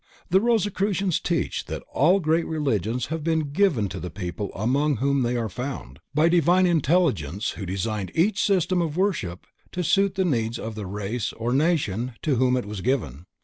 The Rosicrucians teach that all great religions have been given to the people among whom they are found, by Divine Intelligences who designed each system of worship to suit the needs of the race or nation to whom it was given.